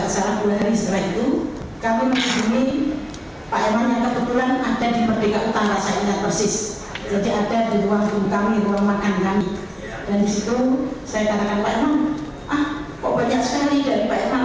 saya ditanya sampai mati bentah mati pun saya tidak akan mengatakan kalau saya tidak uang